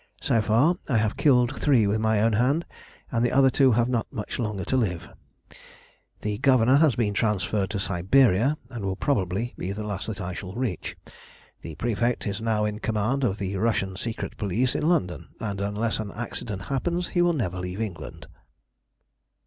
So far I have killed three with my own hand, and the other two have not much longer to live. "The governor has been transferred to Siberia, and will probably be the last that I shall reach. The prefect is now in command of the Russian secret police in London, and unless an accident happens he will never leave England."